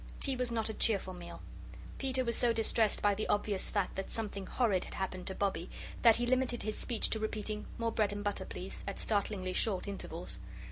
Tea was not a cheerful meal. Peter was so distressed by the obvious fact that something horrid had happened to Bobbie that he limited his speech to repeating, "More bread and butter, please," at startlingly short intervals.